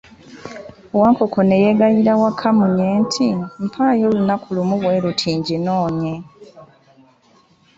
Wankoko ne yeegayirira Wakamunye nti, mpaayo olunaku lumu bwe luti nginoonye.